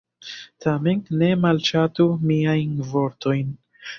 Tamen, ne malŝatu miajn vortojn.